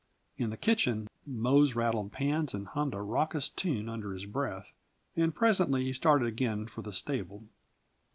In the kitchen, Mose rattled pans and hummed a raucous tune under his breath, and presently he started again for the stable.